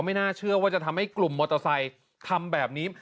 ไม่น่าเชื่อว่าจะทำให้กลุ่มมอเตอร์ไซค์ทำแบบนี้